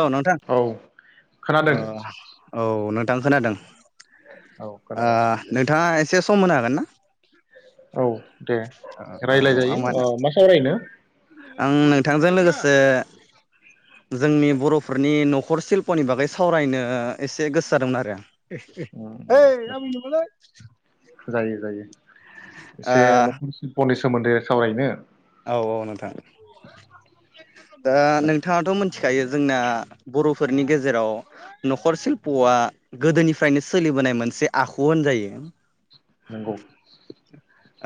औ नोंथां औ खोनादों ओ औ नों थां खोनादों औ ओ खोनागासिनो दे नोंथाङा एसे सम होनो हागोन ना औ दे औ रायलाय आं जायो माने ओ मा सावरायनो आं नोंथांजों लोगोसे जोंनि बरफोरनि नखर सिल्पनि बागै सावरायनो एसे गोसो जादोंमोन आरो हे हे ऐ‌ आबै नामालै जायो जायो एसे नखर सिलप नि सोमोन्दै सावरायनो औ औ नोंथां दा नोंथाङाथ मोन मिथिखायो जोंना बरफोरनि गेजेराव नखर सिल्पआ गोदोनिफ्रायनो सोलिबोनाय मोनसे आखु होनजायो नंगौ।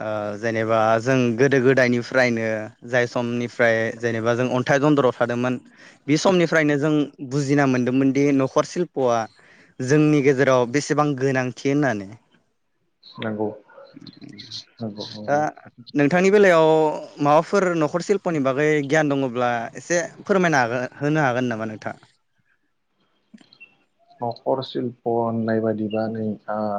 ओ जेनेबा जों गोदो गोदायनिफ्राय फ्रायनो जाय समनिफ्राय जेनेबा जों अन्थाइ दन्दराव थादोंमोन बे समनिफ्रायनो जों बुजिना मोनदोंमोन दि न'खर शिल्प'आ जोंनि गेजेराव बेसेबां गोनांथि होननानै नंगौ ओ नंगौ दा नंगौ नोंथांनि बेलायाव माबाफोर न' नखर शिल्पनि बागै गियान दङ ब्ला एसे फोरमायनो हागोन होनो हागोन नामा नोंथाङा न'खर शिल्प' होननाय बादिबा नोंथाङा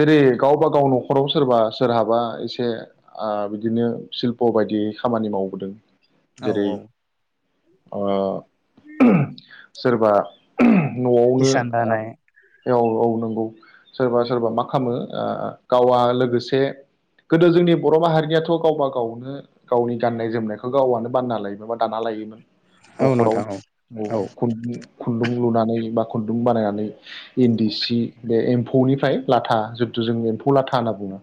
जेरै गावबा गाव न'खराव सोरबा सोरहाबा एसे ओ बिदिनो शिल्प' बायदियै खामानि मावबोदों औ औ अ [unintelligible] सोरबा न'आवनो हिसान आ दानाय औ औ नंगौ सोरबा सोरबा मा खालामो ओ गावआ लोगोसे गोदो जोंनि बर' माहारिनियाथ' गावबा गावनो गावनि गाननाय जोमनायखौ गावआनो बानायना लायोमोन बा दाना लायोमोन औ न'खराव नोंथां औ औ [unintelligible] नानै बा खुन्दुं बानायनानै इन्दि सि बे एम्फौनिफ्राय लाथा जिहेथु जों एम्फौ लाथा होनना बुङो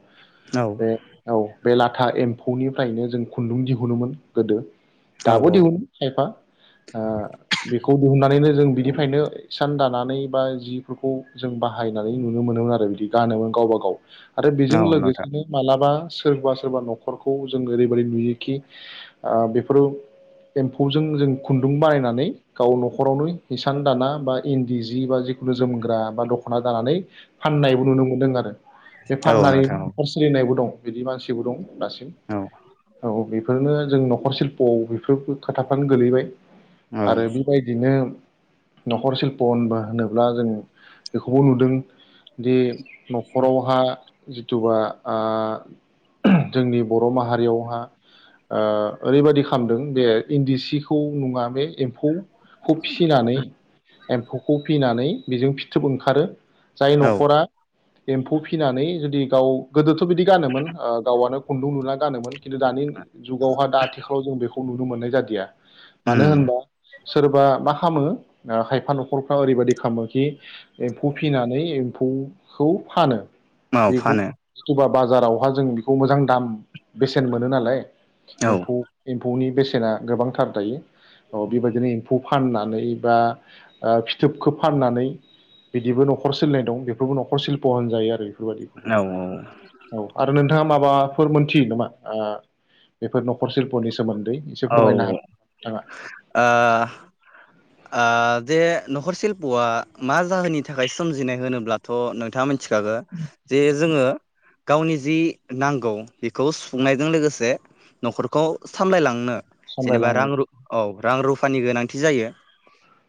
औ बे औ बे लाथा एम्फौनिफ्रायनो जों खुन्दुं दिहुनोमोन गोदो औ दाबो औ दिहुनो खायफा ओ बेखौ बुहुननानैनो जों बिदि [unintelligible] इसान दानानै बा जिफोरखौ जों बाहायनानै नुनो मोनोमोन आरो बिदि गानोमोन गावबा गाव आरो बेजों औ नोंथां लोगोसेनो मालाबा सोरबा सोरबा न'खरखौ जों ओरैबादि नुयोखि ओ बेफोर एम्फौजों जों खुन्दुं बानायनानै गाव न'खरावनो हिसान दाना बा इन्दि जि बा जिखुनु जोमग्रा बा दख'ना दानानै फाननायबो नुनो मोनदों आरो बे औ फाननानै नोंथां औ नखर सोलिनायबो दं बिदि मानसिबो दं दासिम औ औ बेे ओरैनो जों न'खर शिल्प'आव बेफोरबो खोथाफ्रानो गोलैबाय औ आरो बेबायदिनो न'खर सिल्प' होनबा होनोब्ला जों बेखौबो नुदों दि न'खरावहा जिथुबा ओ जोंनि बर' माहारियावहा ओ ओरैबायदि खालामदों बे इन्दि सिखौ नङा बे एम्फौ [unintelligible] [unintelligible] एम्फौखौ फिनानै बेजों फिथोब ओंखारो जाय औ न'खरा एम्फौ फिनानै जुदि गाव गोदोथ' बिदि गानोमोन ओ गावआनो खुन्दुं लुना गानोमोन खिन्थु दानि जुगावहा दा आथिखालाव जों बेखौ नुनो मोननाय जादिया मानो होनबा उम सोरबा माखा खामो ओ खायफा न'खरफ्रा ओरैबायदि खामो खि एम्फौ फिनानै एम एम्फौखौ फानो औ बेखौ फानो [unintelligible] बाजारावहा जों बिखौ मोजां दाम बेसेन मोनो नालाय औ एमफौ एमफौनि बेस रा गोबां थार दायो अ बिबादिनो खौ फानना नै बा ओ फिथोबखौ फाननानै बिदिबो न'खर सोलिनाय दं बेफोरबो न'खर सिल्प होनजायो आरो बेबायदिखौबो औ औ आरो नों थाङा माबाफोर मोनथियो नामा आ बेफोर न'खर सिल्पनि सोमोन्दै एसे औ ओ फोरमायना हो नोंथाङा आ जे न'खर सिल्पआ मा जाहोननि थाखाय सोमजिनाय होनोब्लाथ' नोंथाङा मोन थिखागो जे जोङो गावनि जि नांगौ बेखौ सुफुंनायजों लोगोसे न'खरखौ सामलायलांनो जेनेबा सामलायलांनो रां रु औ रां रुफानि गोनांथि जायो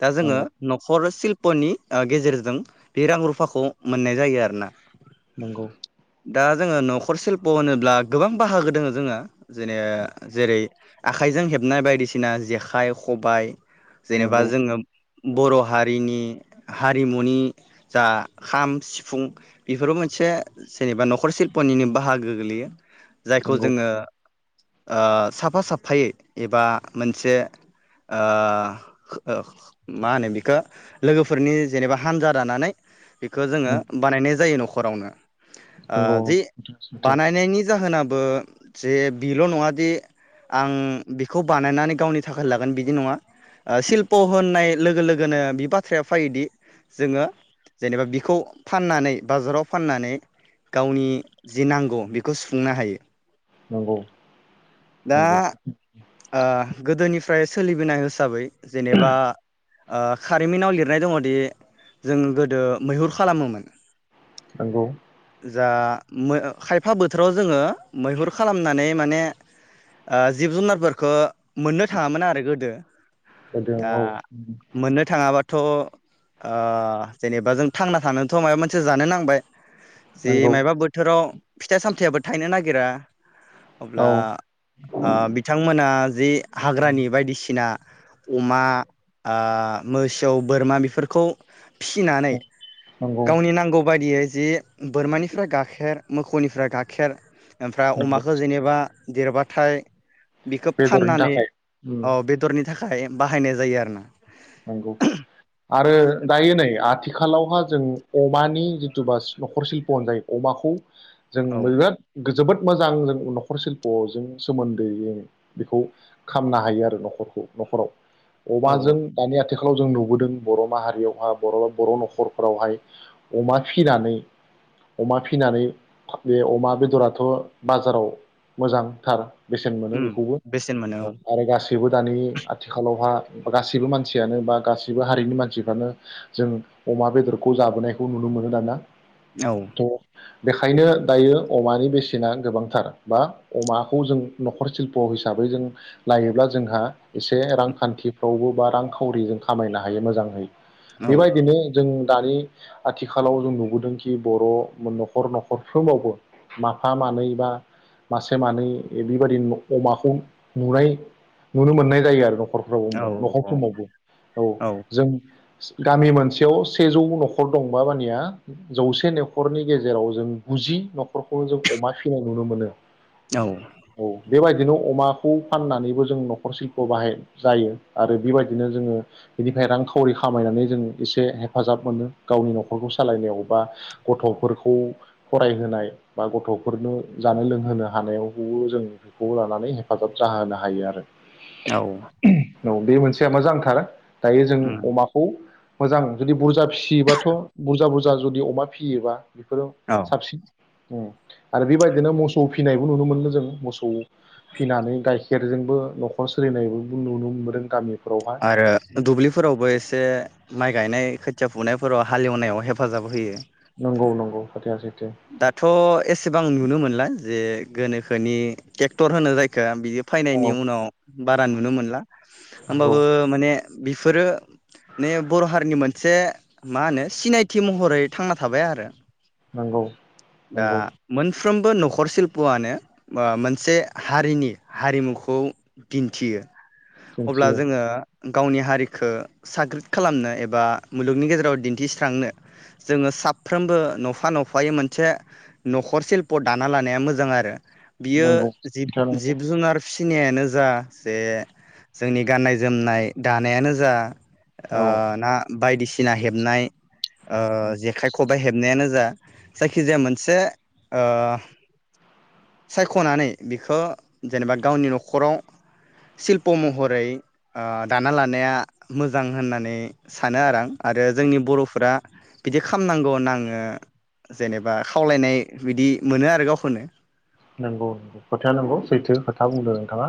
दा जोङो नांगौ न'खर सिल प नि ओ गेजेरजों बे रां रुफाखौ मोननाय जायो आरोना नोंगौ दा जोङो न'खर सिल्प होनोब्ला गोबां बाहागो दोङो जोङा जेने जेरै आखाइजों हेबनाय बायदिसिना जेखाइ खबाइ जेनेबा नंगौ जोङो बर' हारिनि हारिमुनि जा खाम सिफुं बेफोरबो मोनसे जेनेबा न'खर सिल्पनिनो बाहागो गोलैयो जायखौ नंगौ जोङो ओ साफा साफ फायै एबा मोनसे ओ ओ मा होनो बिखो लोगोफोरनि जेनेबा हानजा दानानै बेखो जोङो उम, बानायनाय जायो न'ख खरावनो आ नंगौ जि सैथो सैथो बानायनायनि जाहोना बो जे बिल नङादि आं बिखौ बानायनानै गावनि थाखाय लागोन बिदि नङा ओ सिल्प होननाय लोगो लोगोनो बि बाथ्राया फायोदि जोङो जेनेबा बिखौ फाननानै बाजाराव फाननानै गावनि जि नांगौ बिखौ सुफुंनो हायो नंगौ दा नंगौ ओ गोदोनिफ्राय सोलिबोनाय होसाबै जेनेबा ओ खारिमिनाव लिरनाय दङोदि जों गोदो मैहुर खालामोमोन। नोंगौ जा खायफा बोथोराव जोङो मैहुर खालामनानै माने आ जिब-जुनारफोर खो मोननो थाङामोन आरो गोदो होदों दा औ मोननो थाङाबा थ' आ जेनेबा जों थांना थानो थ' माया मोनसे जानो नांबाय जे नंगौ मायबा बोथोराव फिथाइ-सामथायाबो थायनो नागि गिरा औ अब्ला आ बिथां थांमोना जे हाग्रानि बायदिसिना अमा आ मोसौ बोरमा बेफोरखौ फिनानै नंगौ गावनि नांगौ बायदियै जि बोरमानिफ्राय गाखेर मोखौनिफ्राय गाखेर ओमफ्राय नंगौ अमाखो जेनेबा देरबाथाय बिखौ बेदरनि फाननानै थाखाय उम, अ बेदरनि थाखाय बाहायनाय जायो आरो ना नंगौ आरो दायो नै आथि खालावहा जों अमानि जिथुबा न'खर सिल्प होनजायो अमाखौ जों औ बिराद जोबोद मोजां जों न'खर सिल्प'जों सोमोन्दै जों बेखौ खामनो हायो आरो न'खरखौ न'खराव औ अमाजों दानि आथिखालाव जों नुबोदों बर' माहारियावहा बर' बर' न'खरफोरावहाय अमा फिनानै अमा फिनानै बे अमा बेदराथ' बाजाराव मोजांथार बेसेन मोनो उम बेखौबो बेसेन मोनो आरो गासैबो बो दानि आथिखालावहा गासिबो मान मानसियानो बा गासिबो हारिनि मानसिफ्रानो जों अमा बेदरखौ जाबोनायखौ नुनो मोनो दाना औ द बेखायनो दायो अमानि बेसेना गोबांथार बा अमाखौ जों नखर स्लिप' हिसाबै जों लायोब्ला जोंहा एसे रांखान्थिफ्रावबो बा रां फरिजों खामायनो हायो मोजांहै औ बेबायदिनो जों दानि आथिखालाव जों नुबोदोंखि बर' न'खर न'खरफ्रोमावबो माफा मानै बा मासे मानै बेबायादि अमाखौ नुनाय नुनो मोननाय जायो आरो न'खरफ्राव औ न'खरफ्रोमावबो औ जों गामि मोनसेयाव सेजौ न'खर दंबा मानिया जौसे न'खरनि गेजेराव जों गुजि न'खरखौ जों अमा फिनाय नुनो मोनो औ बेबाय बिदिनो अमाखौ फाननानैबो जों न'खर सिल्प बाहाय जायो आरो बिबायदिनो जोङो बिनिफ्राय रांखावरि खामायनानै जों एसे हेफाजाब मोनो गावनि न'खरखौ सालायनायाव बा गथ'फोरखौ फरायहोनाय बा गथ'फोरनो जानो लोंहोनो हानायावबो जों बेखौ लानानै हेफाजाब जाहोनो हायो आरो औ औ बे मोनसेया मोजां थार दायो जों उम अमाखौ मोजां जुदि बुजा फिसियोबाथ' बुजा बुजा जुदि अमा फियोबा बिफोराव औ साबसिन उम आरो बेबायदिनो मोसौ फिनायबो नुनो मोनदों जों मोसौ फिनानै गाइखेरजोंबो न'खर सोलिनायबो नुनो मोनदों गामिफोरावहा आरो दुब्लिफोरावबो एसे माइ गायनाय खोथ खोथिया फुनायफोराव हालेवनायाव हेफाजाब होयो नंगौ नंगौ खोथाया सैथ दाथ' एसेबां नुनो मोनलाय जे गोनोखोनि टेक्टर होनो जायखो बिदि औ फायनायनि उनाव बारा नुनो मोनला नंगौ होमबाबो माने बिफोरो ने बर' हारिनि मोन से मा होनो सिनायथि महरै थांना थाबाय आरो नंगौ नंगौ फ्रोमबो न'खर शिल्पुआनो ओ मोनसे हारिनि हारिमुखौ दिन्थियो अब्ला दिन्थियो जोङो गावनि हारिखो साग्रिद खालामनो एबा मुलुगनि गेजेराव दिन्थिस्रांनो जोङो साफ्रोमबो न'फा न'फ फायै मोनसे न'खर सिल्प दाना लानाया मोजां आरो बियो नंगौ जिब खोथाया नंगौ जिब जुनार फि थिनायानो जा जे जोंनि गाननाय जोमनाय दानायानो जा औ ओ ना बायदिसिना हेबनाय ओ जेखाइ खबाइ हेबनायानो जा जायखिजाया मोनस जे ओ सायख'नानै बिखो जेनेबा गावनि न'खराव शिल्प' महरै ओ दाना लानाया मोजां होननानै सानो आरो आं आरो जोंनि बर'फोरा बिदि खालामनांगौ होनना आङो जेनेबा खावलायनाय बिदि मोनो आरो गावखौनो नंगौ खोथाया नंगौ सैथो खोथा बुंदों नोंथाङा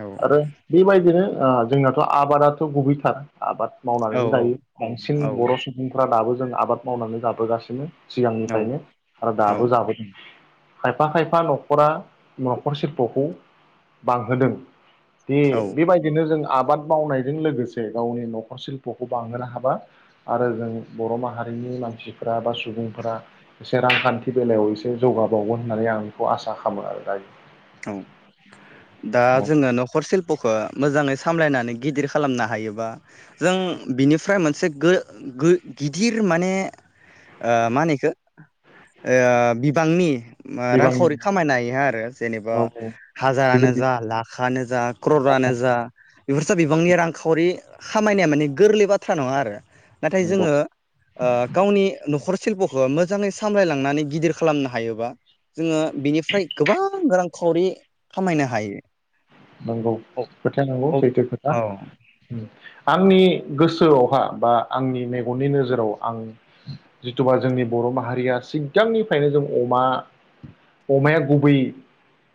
औ आरो बेबायदिनो ओ जोंनाथ' आबादाथ' गुबैथार आबाद औ मावनानैनो जायो बांसिन औ बर' सुबुंफ्रा दाबो जों आबाद मावनानै जाबोगासिनो सिगांनिफ्रायनो आरो औ दाबो जाबोदों खायफा खाय फा न'खरा न'खर सिल्पखौ बांहोदों दे औ बेबायदिनो जोङो आबाद मावनायजों लोगोसे गावनि न'खर सिल्प'खौ बांहोनो हाबा आरो जों बर' माहारिनि मानसिफोरा सुबुंफोरा एसे रांखान्थि बेलायाव एसे जौगाबावगोन होननानै आं बेखौ आसा खालामो आरो दायो औ दा औ जोङो न'खर सिल पखौ मोजाङै सामलायनानै गिदिर खालामनो हायोबा जों बिनिफ्राय मोनसे गो-गो गिदिर माने मा होनो बेखो ओ गिदिर बिबांनि ओ बिबांनि रांखावरि खामायनो हो आरो एबा औ औ गेजेर हारजानो जा लाखनो जा ख्ररआनो गेजेर जा बेफोर बिबांनि रांखावरि खामायनाया माने गोरलै बाथ्रा नङा आरो नाथाय नंगौ जोङो ओ गावनि न'खर शिल्प'खौ मोजाङै सामलायलांनानै गिदिर खालामनो हायोबा जोङो बिनिफ्राय गोबां रांखावरि खामायनो हायो नंगौ औ खोथाया नंगौ औ सैथो खोथा औ आंनि गोसोआवहा बा आंनि मेगननि नोजोराव आं जिथुबा जोंनि बर' माहारिया सिगांनिफ्रायनो जों अमा अमाया गुबै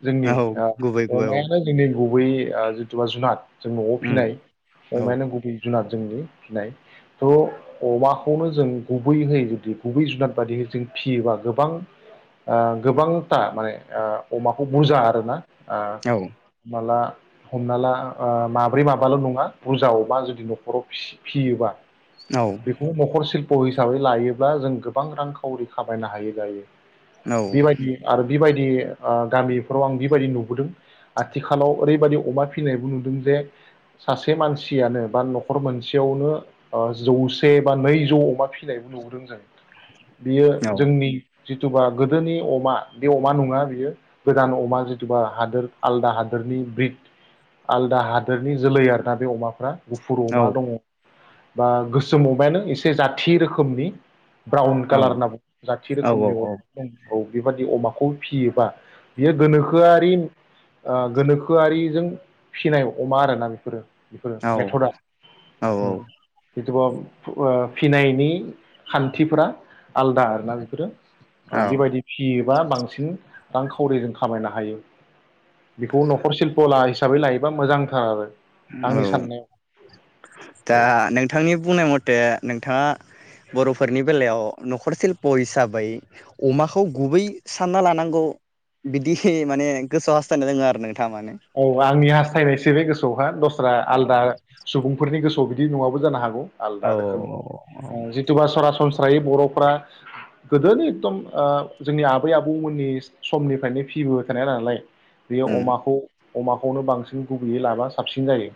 जोंनि औ गुबै ओ गुबै औ अमायानो नि गुबै जिथुबा जुनाद जों न'आव उम फिसिनाय औ अमायानो गुबै जुनाद जोंनि फिनाय थ' अमाखौनो जों गुबैहै जुदि गुबै जुनाद बाददिहै जों फियोबा गोबां ओ गोबांथा माने ओ अमाखौ बुरजा आरोना आ औ अबोला हमना ला ओ माब्रै माबाल' नङा बुरजा अमा जुदि न'खराव फियोबा औ बेखौ न'खर सिल अ' हिसाबै लायोब्ला जों गोबां रांखावरि खामायनो हायो दायो औ बेबायदि आरो बेबायदि गामिफोराव आं बेबायदि नुबोदों आथिखालाव ओरैबायाददि अमा फिसिनायबो नुदों जे सासे मानसियानो बा न'खर मोनसेयावनो ओ जौसे बा नैजौ अमा फिसिनायबो नुबोदों जों बियो औ जोंनि जिथुबा गोदोनि अमा बे अमा नङा बियो गोदान अमा जिथुबा हादोर आलदा हादोरनि ब्रिद आलदा हादोरनि जोलै आरोना बे अमाफ्रा गुफुर अमा दङ बा गोसोम अमायानो एसे जाथि रोखोमनि ब्राउन औ कालार होनना बुङ जाथि रोखोमनि औ अमाफोर दं औ बेबादि अमाखौ फियोबा बियो गोनोखोआरि ओ गोनोखोआरिजों फिसिनाय अमा आरोना बेफोरो बेफोरो औ मेथडआ औ औ फिनायनि खान्थिफोरा आलादा आरोना बेफोरो औ औ बेबायदि फियो एबा बांसिन रांखावरि जों खामायनो हायो बेखौ न'खरशिल्पआव लासै हिसाबै लायोबा मोजांथार आरो औ आंनि साननायाव दा औ नोंथांनि बुंनाय मथे नोंथाङा बर'फोरनि बेलायाव न'खर सिल्प हिसाबै अमाखौ गुबै सानना लानांगौ बिदि माने गोसोआव हास्थायना दोङो आरो न औ आंनि हास्थायनायसै बे गोसोआवहा दस आलदा सुबुंफोरनि गोसोआव स' बिदि नङाबो जानो हागौ आलदा औ रोखोम जिथुबा सरासनस्रा फ्रायो बर'फ्रा गोदो एकदम ओ जोंनि आबै आबौमोननि समनिफ्रायनो फिबोबाय थानाय नालाय बेयो अमाखौ अमाखौनो बांसिन गुबैयै लाबा साबसिन जायो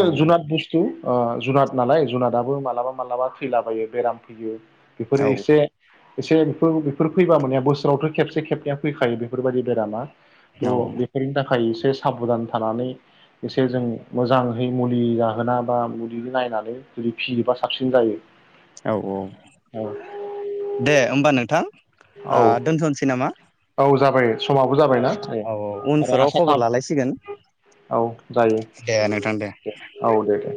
औ जुनाद बस्थु ओ जुनाद नालाय जुनादाबो मालाबा मालाबा थैलाबायो बेराम फैयो बेफोरो एसे एसे बेफोर बेफोर फैबा मोना बोसोरावथ' खेबसे खेबनया फैखायो बेफोरबायदि बेरामा थ' औ बेफोरनि थाखाय एसे साबधान थानानै एसे जों मोजाङै मुलि जाहोना बा मुलि नायनानै जुदि फियोबा साबसिन जायो औ औ औ दे होमबा नोंथां आ औ दोनथ'नोसै नामा औ जाबाय समाबो जाबायना आरो आसा खालाम नायसिगोन दे नोंथां दे औ दे दे